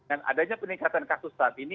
dengan adanya peningkatan kasus saat ini